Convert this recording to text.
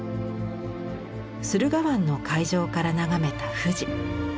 駿河湾の海上から眺めた富士。